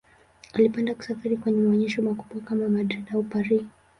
Alipenda kusafiri penye maonyesho makubwa kama Madrid au Paris.